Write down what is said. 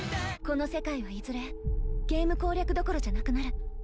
この世界は、いずれゲーム攻略どころじゃなくなる。